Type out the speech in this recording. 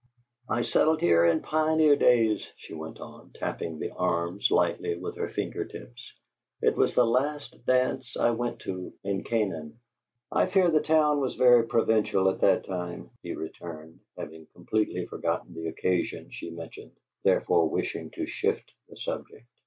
"I settled here in pioneer days," she went on, tapping the arms lightly with her finger tips. "It was the last dance I went to in Canaan." "I fear the town was very provincial at that time," he returned, having completely forgotten the occasion she mentioned, therefore wishing to shift the subject.